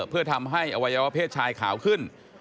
เพื่อทำให้อวัยวะเพศชายขาวขึ้น